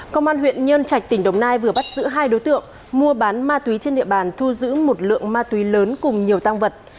công an huyện nhân trạch tỉnh đồng nai vừa bắt giữ hai đối tượng mua bán ma túy trên địa bàn thu giữ một lượng ma túy lớn cùng nhiều tăng vật